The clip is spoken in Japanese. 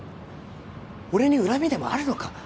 俺に恨みでもあるのか？